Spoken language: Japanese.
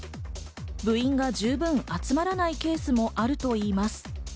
部員が十分集まらないケースもあるといいます。